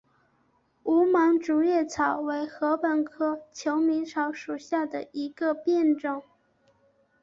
无芒竹叶草为禾本科求米草属下的一个变种。